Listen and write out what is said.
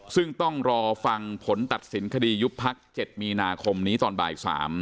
ซึ่งต้องรอฟังผลตัดสินคดียุบพัก๗มีนาคมนี้ตอนบ่าย๓